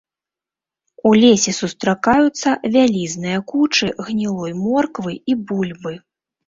У лесе сустракаюцца вялізныя кучы гнілой морквы і бульбы.